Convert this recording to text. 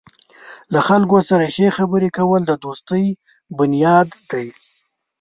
له خلکو سره ښې خبرې کول د دوستۍ بنیاد دی.